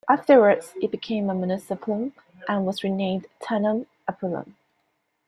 Afterwards, it became a municipium and was renamed Teanum Apulum.